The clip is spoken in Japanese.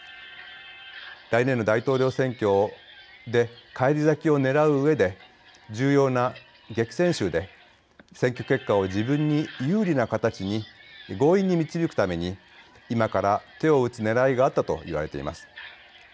来年の大統領選挙で返り咲きを狙ううえで重要な激戦州で選挙結果を自分に有利な形に強引に導くために、今から手を打つねらいがあったと言われています。